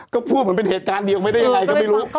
ก็พูดเหมือนเป็นเหตุการณ์เดียวไม่ได้ยังไงก็ไม่รู้